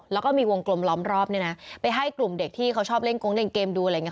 แล้วก็มีวงกลมล้อมรอบเนี่ยนะไปให้กลุ่มเด็กที่เขาชอบเล่นโก๊เล่นเกมดูอะไรอย่างนี้